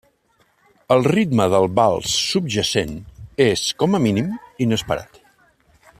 El ritme del vals subjacent és, com a mínim, inesperat.